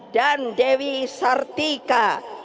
dan dewi sartika